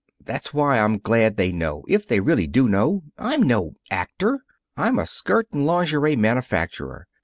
"That's why I'm glad they know if they really do know. I'm no actor. I'm a skirt and lingerie manufacturer.